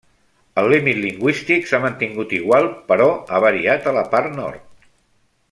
El límit lingüístic s'ha mantingut igual, però ha variat a la part nord.